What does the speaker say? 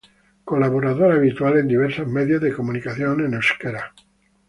Colaboradora habitual en diversos medios de comunicación en euskera.